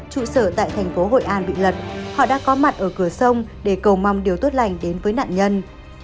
trụ sở tại thành phố hội an bị lật họ đã có mặt ở cửa sông để cầu mong điều tốt lành đến với nạn nhân